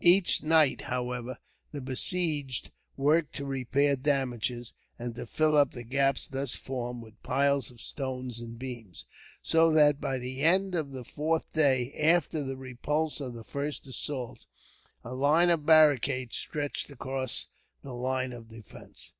Each night, however, the besieged worked to repair damages, and to fill up the gaps thus formed with piles of stones and beams, so that, by the end of the fourth day after the repulse of the first assault, a line of barricades stretched across the line of defence.